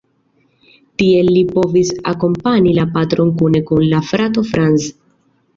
Tiel li povis akompani la patron kune kun la frato Franz.